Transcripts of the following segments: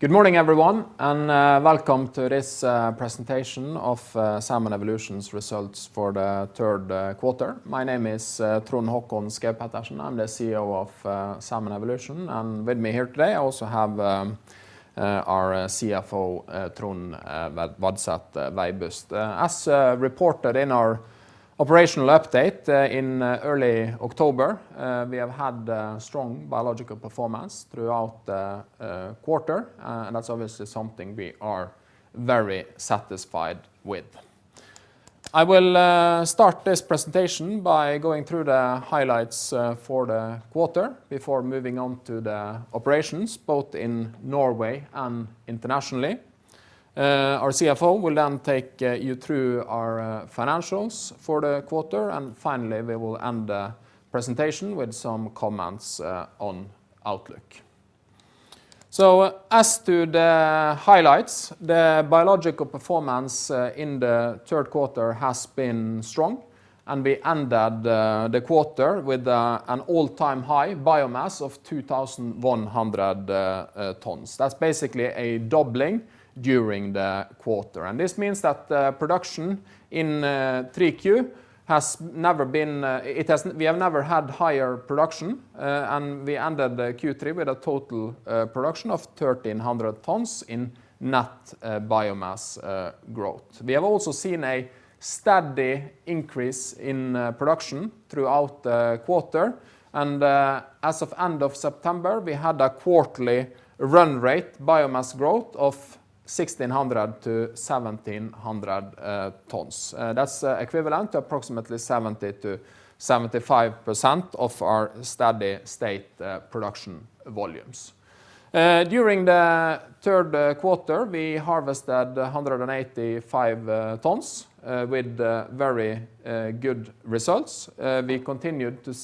Good morning, everyone, and welcome to this presentation of Salmon Evolution's results for the third quarter. My name is Trond Håkon Schaug-Pettersen. I'm the CEO of Salmon Evolution, and with me here today, I also have our CFO, Trond Vadset Veibust. As reported in our operational update in early October, we have had strong biological performance throughout the quarter, and that's obviously something we are very satisfied with. I will start this presentation by going through the highlights for the quarter before moving on to the operations, both in Norway and internationally. Our CFO will then take you through our financials for the quarter, and finally, we will end the presentation with some comments on outlook. As to the highlights, the biological performance in the third quarter has been strong, and we ended the quarter with an all-time high biomass of 2,100 tons. That's basically a doubling during the quarter, and this means that the production in 3Q has never been. We have never had higher production, and we ended the Q3 with a total production of 1,300 tons in net biomass growth. We have also seen a steady increase in production throughout the quarter, and as of end of September, we had a quarterly run rate biomass growth of 1,600-1,700 tons. That's equivalent to approximately 70%-75% of our steady state production volumes. During the third quarter, we harvested 185 tons with very good results. We continued to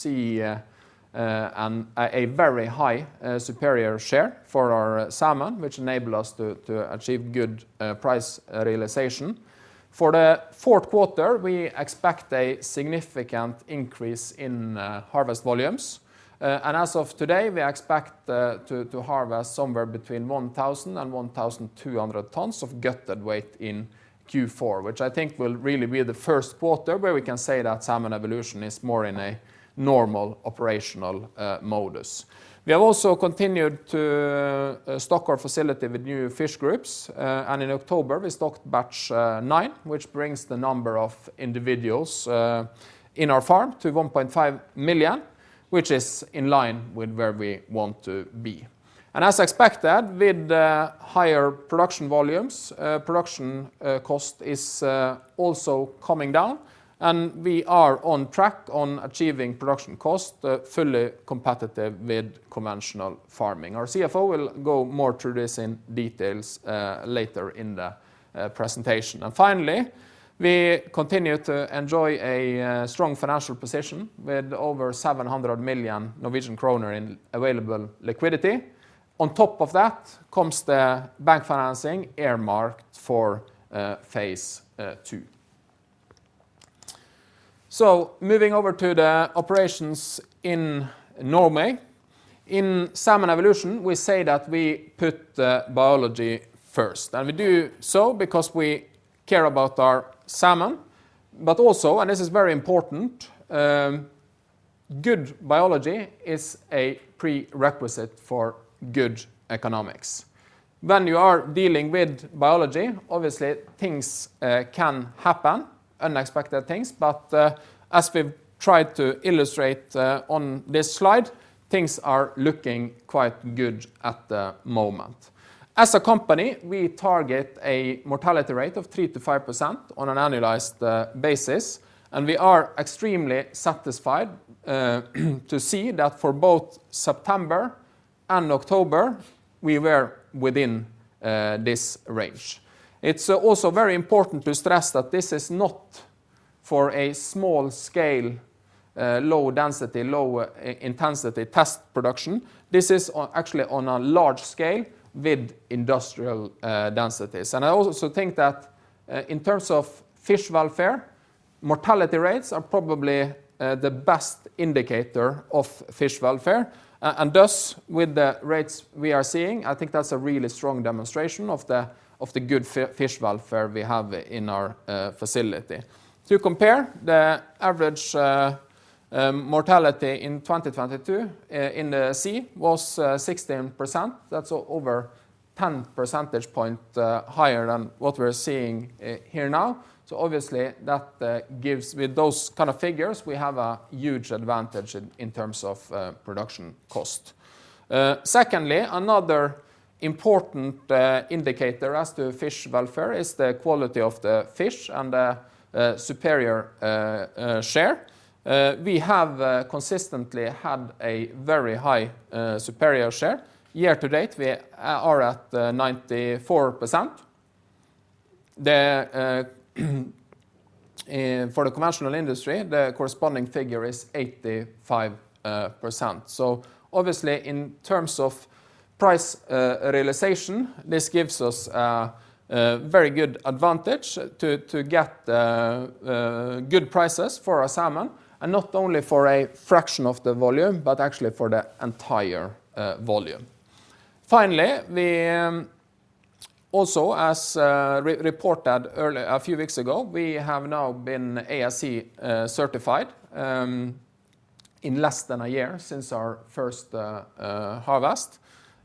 see a very high Superior Share for our salmon, which enable us to achieve good price realization. For the fourth quarter, we expect a significant increase in harvest volumes, and as of today, we expect to harvest somewhere between 1,000 and 1,200 tons of gutted weight in Q4, which I think will really be the first quarter where we can say that Salmon Evolution is more in a normal operational modus. We have also continued to stock our facility with new fish groups, and in October, we stocked batch 9, which brings the number of individuals in our farm to 1.5 million, which is in line with where we want to be. As expected, with the higher production volumes, production cost is also coming down, and we are on track on achieving production cost fully competitive with conventional farming. Our CFO will go more through this in details later in the presentation. Finally, we continue to enjoy a strong financial position with over 700 million Norwegian kroner in available liquidity. On top of that comes the bank financing earmarked for phase II. So moving over to the operations in Norway. In Salmon Evolution, we say that we put the biology first, and we do so because we care about our salmon, but also, and this is very important, good biology is a prerequisite for good economics. When you are dealing with biology, obviously things can happen, unexpected things, but as we've tried to illustrate on this slide, things are looking quite good at the moment. As a company, we target a mortality rate of 3%-5% on an annualized basis, and we are extremely satisfied to see that for both September and October, we were within this range. It's also very important to stress that this is not for a small scale, low density, low-intensity test production. This is on, actually on a large scale with industrial densities. And I also think that, in terms of fish welfare, mortality rates are probably the best indicator of fish welfare, and thus, with the rates we are seeing, I think that's a really strong demonstration of the good fish welfare we have in our facility. To compare, the average mortality in 2022 in the sea was 16%. That's over 10 percentage point higher than what we're seeing here now. So obviously, that gives. With those kind of figures, we have a huge advantage in terms of production cost. Secondly, another important indicator as to fish welfare is the quality of the fish and the Superior Share. We have consistently had a very high Superior Share. Year to date, we are at 94%. For the conventional industry, the corresponding figure is 85%. So obviously, in terms of price realization, this gives us a very good advantage to get good prices for our salmon, and not only for a fraction of the volume, but actually for the entire volume. Finally, also as reported earlier, a few weeks ago, we have now been ASC certified in less than a year since our first harvest.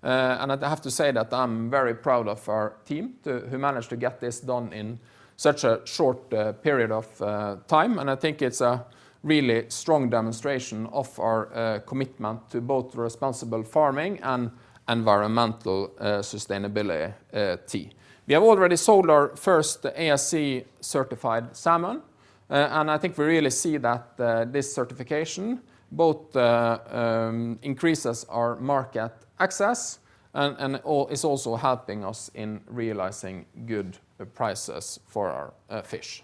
And I'd have to say that I'm very proud of our team who managed to get this done in such a short period of time. And I think it's a really strong demonstration of our commitment to both responsible farming and environmental sustainability. We have already sold our first ASC-certified salmon, and I think we really see that this certification both increases our market access and is also helping us in realizing good prices for our fish.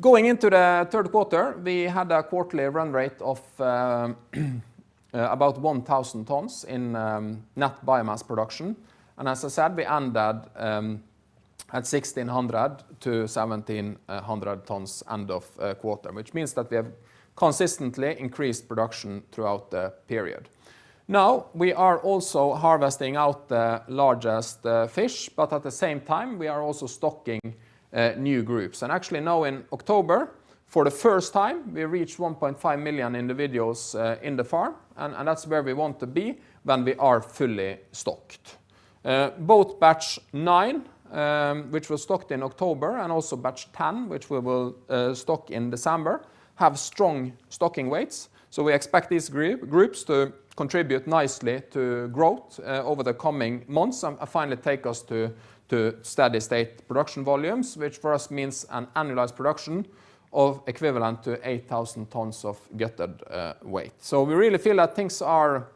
Going into the third quarter, we had a quarterly run rate of about 1,000 tons in net biomass production, and as I said, we ended at 1,600-1,700 tons end of quarter, which means that we have consistently increased production throughout the period. Now, we are also harvesting out the largest fish, but at the same time, we are also stocking new groups. And actually now in October, for the first time, we reached 1.5 million individuals in the farm, and that's where we want to be when we are fully stocked. Both batch nine, which was stocked in October, and also batch 10, which we will stock in December, have strong stocking weights. So we expect these groups to contribute nicely to growth over the coming months and finally take us to steady state production volumes, which for us means an annualized production of equivalent to 8,000 tons of gutted weight. So we really feel that things are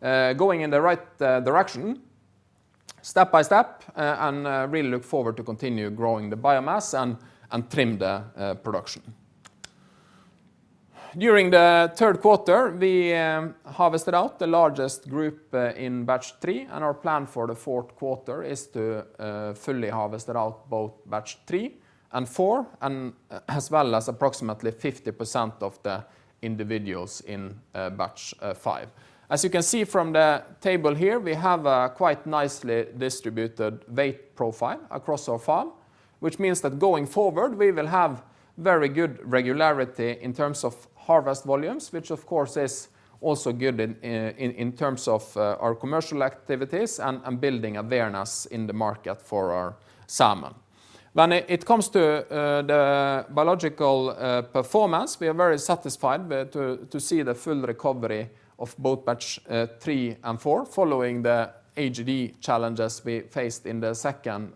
going in the right direction, step by step, and really look forward to continue growing the biomass and trim the production. During the third quarter, we harvested out the largest group in batch three, and our plan for the fourth quarter is to fully harvest out both batch three and four, and as well as approximately 50% of the individuals in batch five. As you can see from the table here, we have a quite nicely distributed weight profile across our farm, which means that going forward, we will have very good regularity in terms of harvest volumes, which of course is also good in terms of our commercial activities and building awareness in the market for our salmon. When it comes to the biological performance, we are very satisfied to see the full recovery of both batch three and four, following the AGD challenges we faced in the second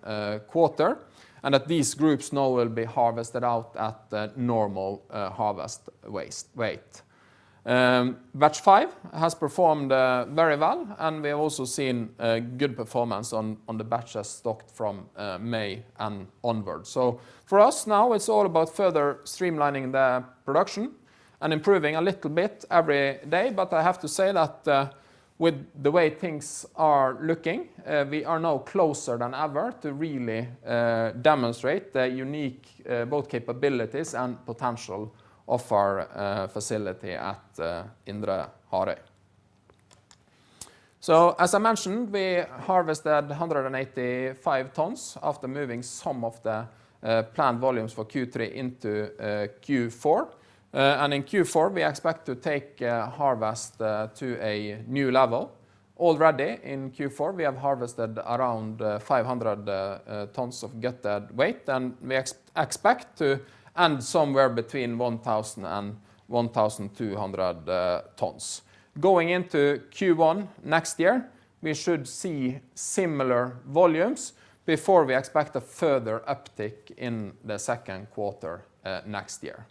quarter, and that these groups now will be harvested out at the normal harvest weight. Batch five has performed very well, and we have also seen a good performance on the batches stocked from May and onwards. So for us now, it's all about further streamlining the production and improving a little bit every day. But I have to say that with the way things are looking, we are now closer than ever to really demonstrate the unique both capabilities and potential of our facility at Indre Harøy. So, as I mentioned, we harvested 185 tons after moving some of the planned volumes for Q3 into Q4. And in Q4, we expect to take harvest to a new level. Already in Q4, we have harvested around 500 tons of gutted weight, and we expect to end somewhere between 1,000 and 1,200 tons. Going into Q1 next year, we should see similar volumes before we expect a further uptick in the second quarter next year.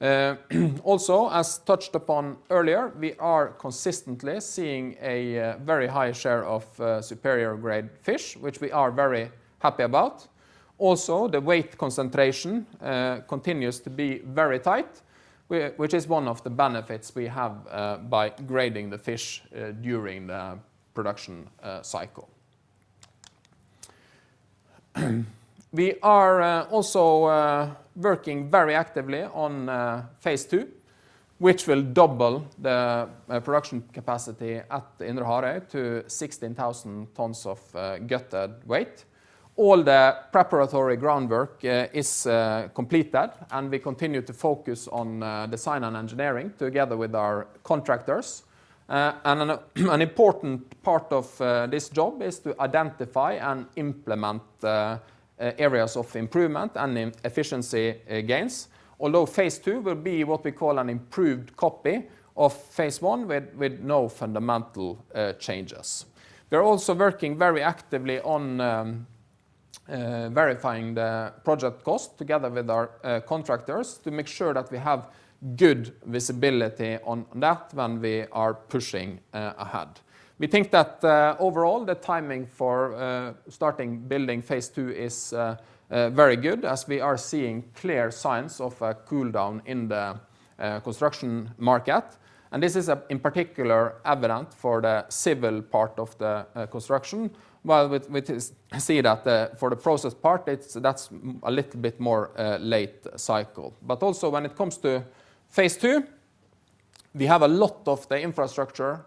Also, as touched upon earlier, we are consistently seeing a very high share of superior grade fish, which we are very happy about. Also, the weight concentration continues to be very tight, which is one of the benefits we have by grading the fish during the production cycle. We are also working very actively on phase II, which will double the production capacity at Indre Harøy to 16,000 tons of gutted weight. All the preparatory groundwork is completed, and we continue to focus on design and engineering together with our contractors. An important part of this job is to identify and implement the areas of improvement and efficiency gains. Although phase II will be what we call an improved copy of phase I with no fundamental changes. We're also working very actively on verifying the project cost together with our contractors, to make sure that we have good visibility on that when we are pushing ahead. We think that overall, the timing for starting building phase II is very good, as we are seeing clear signs of a cool down in the construction market, and this is in particular evident for the civil part of the construction. While with this, I see that for the process part, it's, that's a little bit more late cycle. But also when it comes to phase II, we have a lot of the infrastructure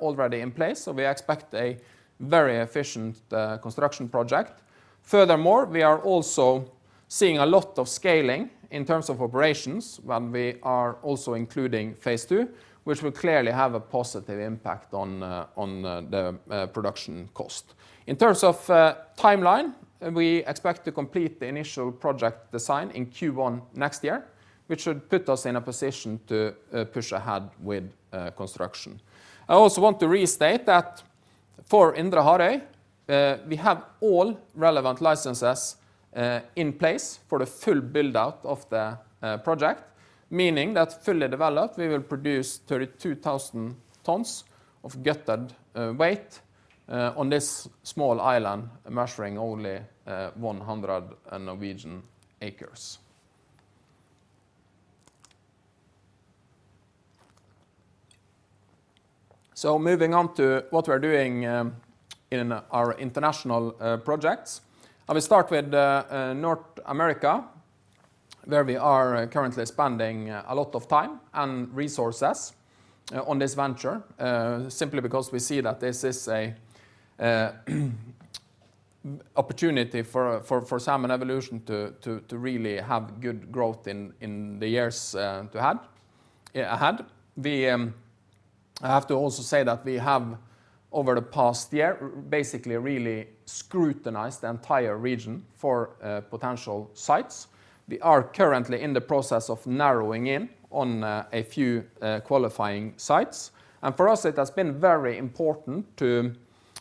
already in place, so we expect a very efficient construction project. Furthermore, we are also seeing a lot of scaling in terms of operations when we are also including phase II, which will clearly have a positive impact on the production cost. In terms of timeline, and we expect to complete the initial project design in Q1 next year, which should put us in a position to push ahead with construction. I also want to restate that for Indre Harøy, we have all relevant licenses in place for the full build-out of the project, meaning that fully developed, we will produce 32,000 tons of gutted weight on this small island, measuring only 100 Norwegian acres. So moving on to what we're doing in our international projects. I will start with North America, where we are currently spending a lot of time and resources on this venture, simply because we see that this is a opportunity for Salmon Evolution to really have good growth in the years to have ahead. I have to also say that we have, over the past year, basically really scrutinized the entire region for potential sites. We are currently in the process of narrowing in on a few qualifying sites. And for us, it has been very important to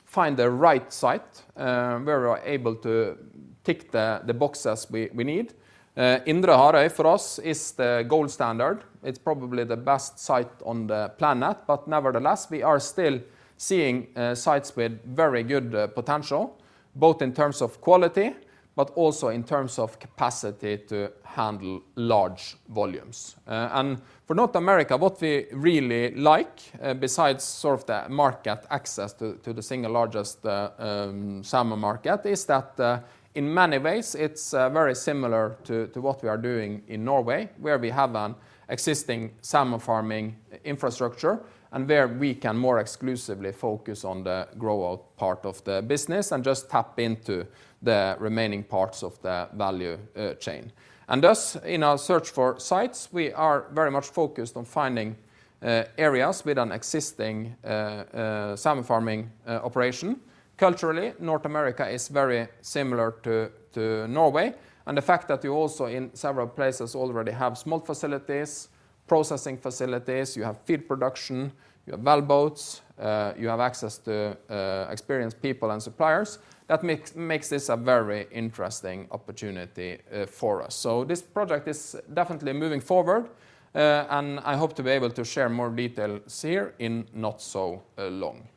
find the right site, where we are able to tick the boxes we need. Indre Harøy for us is the gold standard. It's probably the best site on the planet, but nevertheless, we are still seeing sites with very good potential, both in terms of quality, but also in terms of capacity to handle large volumes. And for North America, what we really like, besides sort of the market access to the single largest salmon market, is that in many ways it's very similar to what we are doing in Norway, where we have an existing salmon farming infrastructure and where we can more exclusively focus on the grow out part of the business and just tap into the remaining parts of the value chain. And thus, in our search for sites, we are very much focused on finding areas with an existing salmon farming operation. Culturally, North America is very similar to Norway, and the fact that you also in several places already have smolt facilities, processing facilities, you have feed production, you have well boats, you have access to experienced people and suppliers, that makes this a very interesting opportunity for us. So this project is definitely moving forward, and I hope to be able to share more details here in not so long.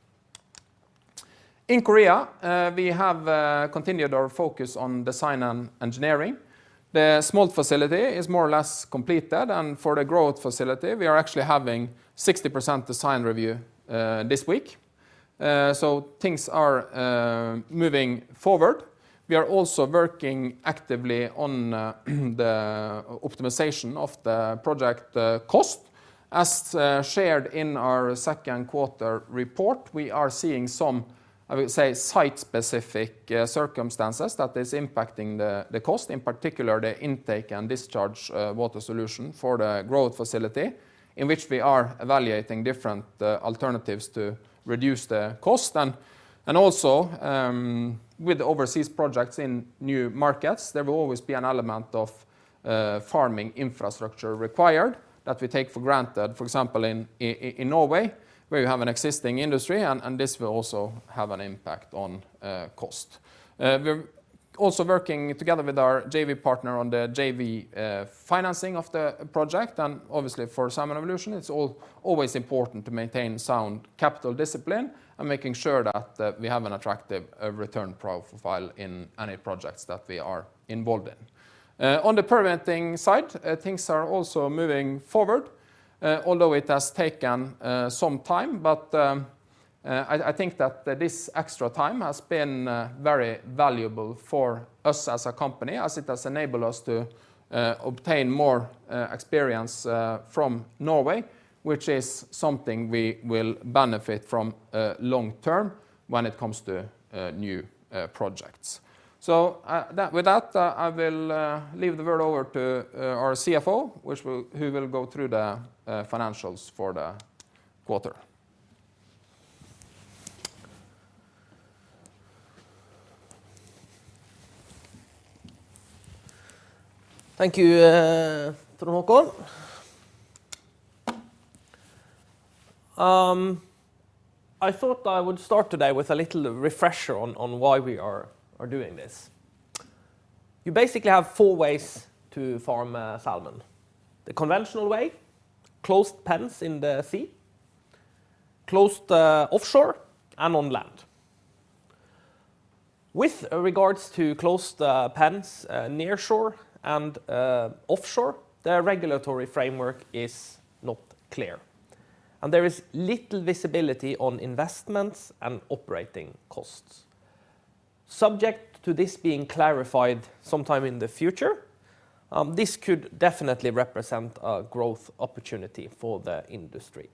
In Korea, we have continued our focus on design and engineering. The smolt facility is more or less completed, and for the growth facility, we are actually having 60% design review this week. So things are moving forward. We are also working actively on the optimization of the project cost. As shared in our second quarter report, we are seeing some, I would say, site-specific circumstances that is impacting the cost, in particular, the intake and discharge water solution for the growth facility, in which we are evaluating different alternatives to reduce the cost. And also, with overseas projects in new markets, there will always be an element of farming infrastructure required that we take for granted. For example, in Norway, where you have an existing industry, and this will also have an impact on cost. We're also working together with our JV partner on the JV financing of the project. And obviously, for Salmon Evolution, it's always important to maintain sound capital discipline and making sure that we have an attractive return profile in any projects that we are involved in. On the permitting side, things are also moving forward, although it has taken some time. But, I think that this extra time has been very valuable for us as a company, as it has enabled us to obtain more experience from Norway, which is something we will benefit from long term when it comes to new projects. So, with that, I will leave the word over to our CFO, who will go through the financials for the quarter. Thank you, Trond Håkon. I thought I would start today with a little refresher on why we are doing this. You basically have four ways to farm salmon: the conventional way, closed pens in the sea, closed offshore, and on land. With regards to closed pens near shore and offshore, the regulatory framework is not clear, and there is little visibility on investments and operating costs. Subject to this being clarified sometime in the future, this could definitely represent a growth opportunity for the industry.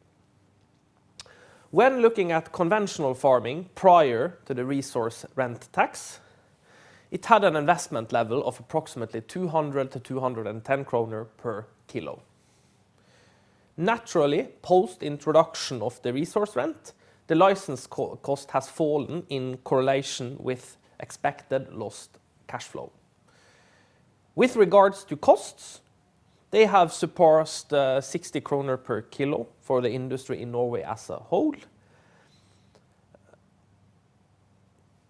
When looking at conventional farming prior to the resource rent tax, it had an investment level of approximately 200-210 kroner per kilo. Naturally, post-introduction of the resource rent, the license cost has fallen in correlation with expected lost cash flow. With regards to costs, they have surpassed 60 kroner per kilo for the industry in Norway as a whole.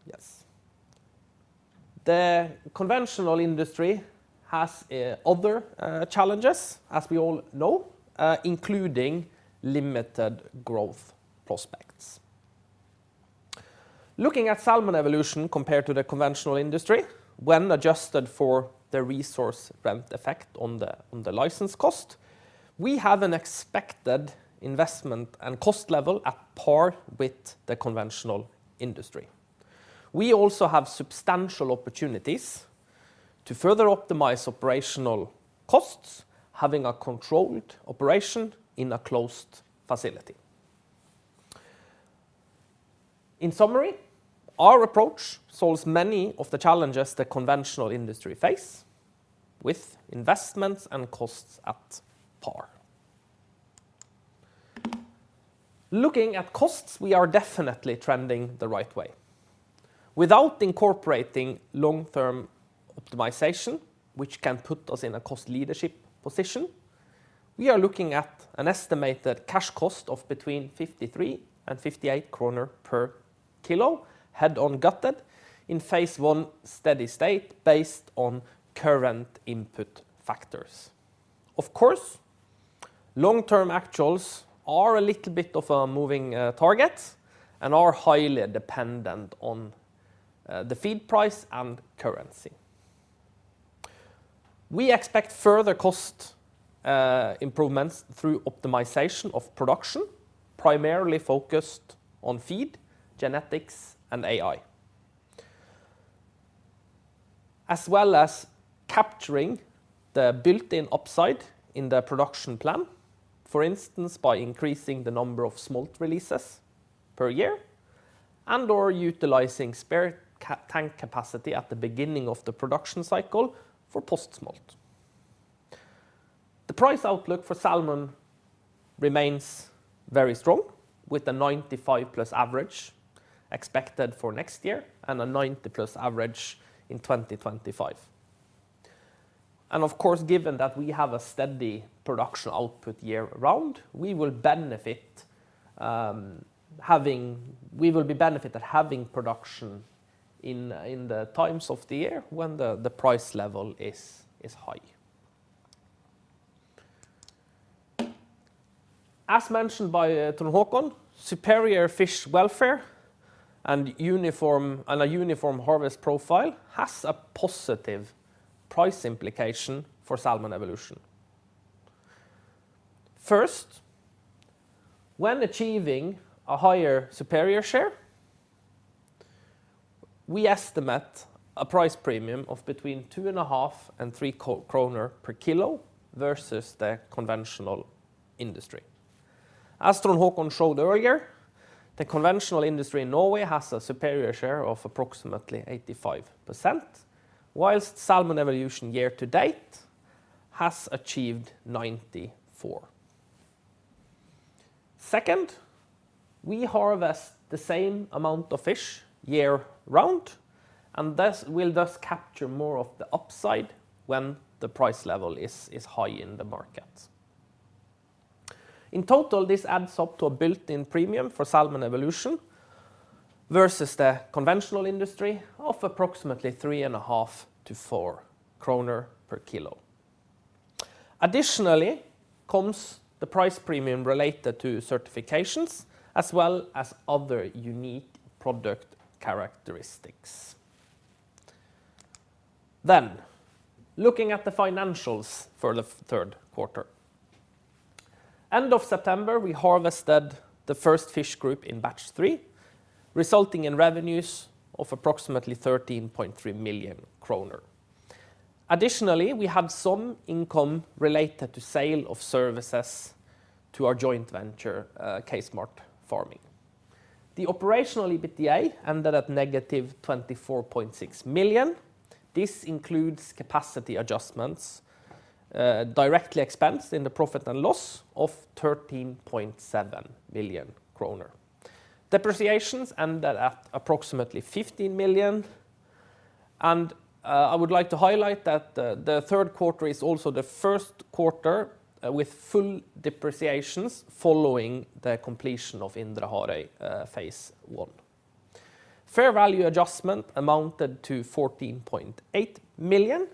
Yes. The conventional industry has other challenges, as we all know, including limited growth prospects. Looking at Salmon Evolution compared to the conventional industry, when adjusted for the resource rent effect on the license cost, we have an expected investment and cost level at par with the conventional industry. We also have substantial opportunities to further optimize operational costs, having a controlled operation in a closed facility. In summary, our approach solves many of the challenges the conventional industry face with investments and costs at par. Looking at costs, we are definitely trending the right way. Without incorporating long-term optimization, which can put us in a cost leadership position, we are looking at an estimated cash cost of between 53 and 58 kroner per kilo, head-on gutted, in phase I steady state based on current input factors. Of course, long-term actuals are a little bit of a moving target and are highly dependent on the feed price and currency. We expect further cost improvements through optimization of production, primarily focused on feed, genetics, and AI. As well as capturing the built-in upside in the production plan, for instance, by increasing the number of smolt releases per year and/or utilizing spare tank capacity at the beginning of the production cycle for post-smolt. The price outlook for salmon remains very strong, with a 95+ average expected for next year and a 90+ average in 2025. Of course, given that we have a steady production output year round, we will benefit having production in the times of the year when the price level is high. As mentioned by Trond Håkon, superior fish welfare and a uniform harvest profile has a positive price implication for Salmon Evolution. First, when achieving a higher superior share, we estimate a price premium of between 2.5 and 3 kroner per kilo versus the conventional industry. As Trond Håkon showed earlier, the conventional industry in Norway has a superior share of approximately 85%, while Salmon Evolution year to date has achieved 94%. Second, we harvest the same amount of fish year round, and thus, we'll capture more of the upside when the price level is high in the market. In total, this adds up to a built-in premium for Salmon Evolution versus the conventional industry of approximately 3.5-4 kroner per kilo. Additionally, comes the price premium related to certifications, as well as other unique product characteristics. Then, looking at the financials for the third quarter. End of September, we harvested the first fish group in batch three, resulting in revenues of approximately 13.3 million kroner. Additionally, we have some income related to sale of services to our joint venture, K Smart Farming. The operational EBITDA ended at negative 24.6 million. This includes capacity adjustments, directly expensed in the profit and loss of 13.7 million kroner. Depreciations ended at approximately 15 million, and I would like to highlight that the third quarter is also the first quarter with full depreciations following the completion of Indre Harøy phase I. Fair value adjustment amounted to 14.8 million,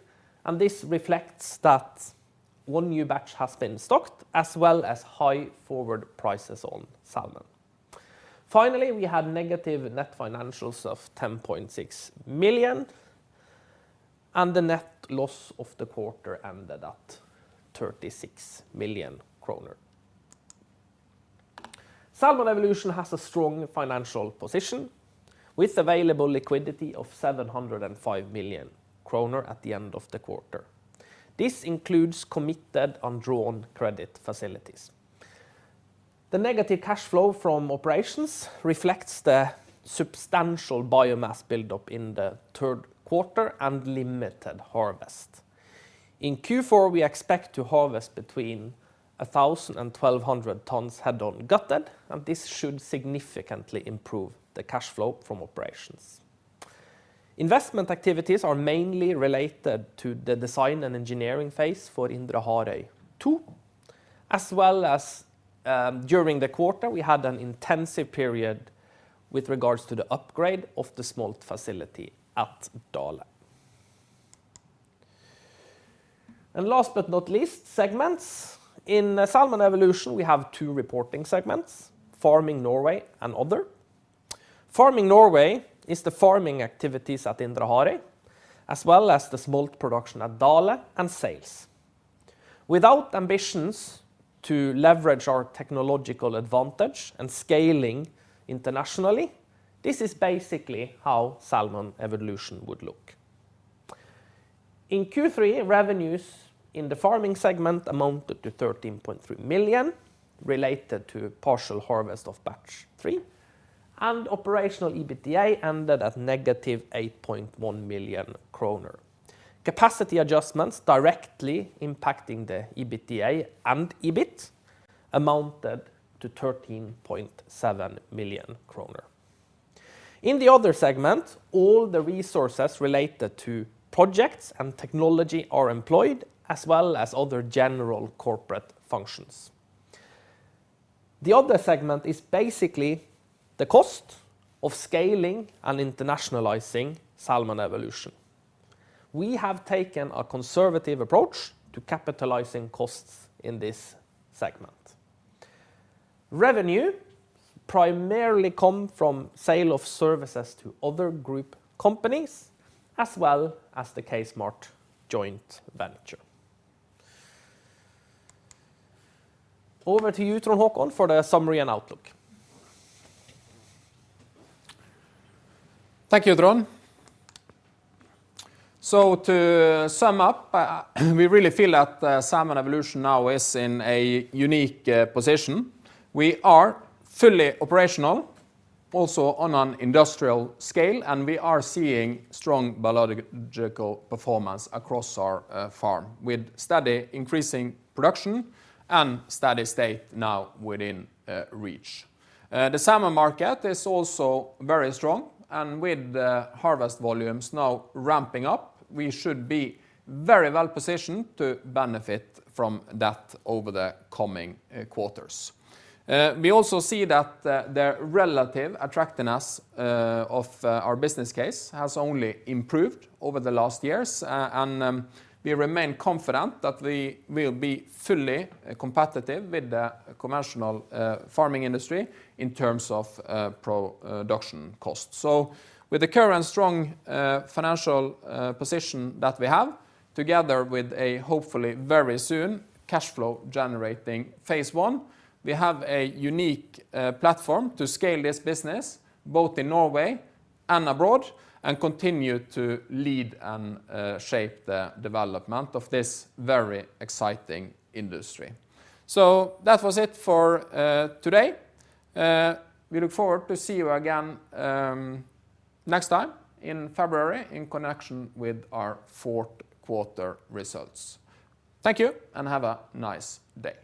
and this reflects that one new batch has been stocked, as well as high forward prices on salmon. Finally, we had negative net financials of 10.6 million, and the net loss of the quarter ended at 36 million kroner. Salmon Evolution has a strong financial position, with available liquidity of 705 million kroner at the end of the quarter. This includes committed undrawn credit facilities. The negative cash flow from operations reflects the substantial biomass build-up in the third quarter and limited harvest. In Q4, we expect to harvest between 1,000 and 1,200 tons Head On Gutted, and this should significantly improve the cash flow from operations. Investment activities are mainly related to the design and engineering phase for Indre Harøy II, as well as, during the quarter, we had an intensive period with regards to the upgrade of the smolt facility at Dale. And last but not least, segments. In Salmon Evolution, we have two reporting segments: Farming Norway and Other. Farming Norway is the farming activities at Indre Harøy, as well as the smolt production at Dale and sales. Without ambitions to leverage our technological advantage and scaling internationally, this is basically how Salmon Evolution would look. In Q3, revenues in the farming segment amounted to 13.3 million, related to partial harvest of batch three, and operational EBITDA ended at -8.1 million kroner. Capacity adjustments directly impacting the EBITDA and EBIT amounted to 13.7 million kroner. In the other segment, all the resources related to projects and technology are employed, as well as other general corporate functions. The other segment is basically the cost of scaling and internationalizing Salmon Evolution. We have taken a conservative approach to capitalizing costs in this segment. Revenue primarily come from sale of services to other group companies, as well as the K Smart joint venture. Over to you, Trond Håkon, for the summary and outlook. Thank you, Trond. So to sum up, we really feel that, Salmon Evolution now is in a unique, position. We are fully operational, also on an industrial scale, and we are seeing strong biological performance across our, farm, with steady increasing production and steady state now within, reach. The salmon market is also very strong, and with the harvest volumes now ramping up, we should be very well positioned to benefit from that over the coming, quarters. We also see that the relative attractiveness, of, our business case has only improved over the last years, and, we remain confident that we will be fully, competitive with the commercial, farming industry in terms of, production cost. So with the current strong financial position that we have, together with a hopefully very soon cash flow generating phase I, we have a unique platform to scale this business, both in Norway and abroad, and continue to lead and shape the development of this very exciting industry. So that was it for today. We look forward to see you again next time in February, in connection with our fourth quarter results. Thank you, and have a nice day!